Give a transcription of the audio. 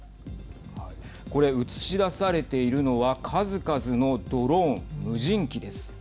これ、映し出されているのは数々のドローン＝無人機です。